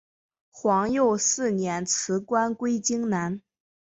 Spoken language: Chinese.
皇佑四年辞官归荆南。